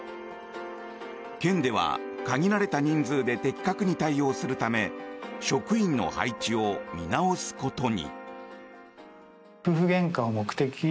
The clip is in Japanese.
県では限られた人数で的確に対応するため職員の配置を見直すことに。